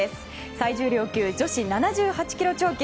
最重量級女子７８ｋｇ超級。